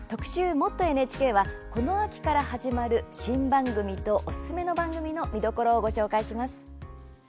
「もっとＮＨＫ」はこの秋から始まる新番組とおすすめの番組の見どころを紹介します。